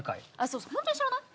そうそう本当に知らない？